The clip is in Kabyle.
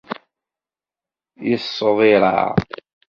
Yesseḍ iraɛ.